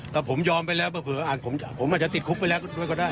ถ้าผมยอมไปแล้วเผลอผมอาจจะติดคุกไปแล้วด้วยก็ได้